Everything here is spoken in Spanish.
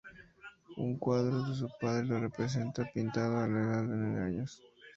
Un cuadro de su padre lo representa pintando a la edad de nueve años.